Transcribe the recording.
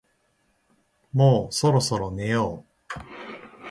もうそろそろ寝よう